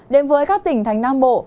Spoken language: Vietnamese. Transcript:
đến với các tỉnh thành nam bộ